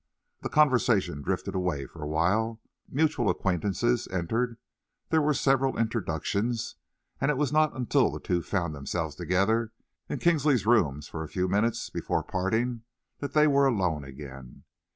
The conversation drifted away for a while. Mutual acquaintances entered, there were several introductions, and it was not until the two found themselves together in Kinsley's rooms for a few minutes before parting that they were alone again.